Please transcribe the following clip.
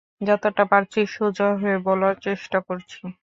যতটা পারছি সোজা করে বলার চেষ্টা করছি।